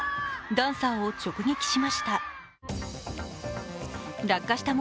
ダンサーを直撃しました。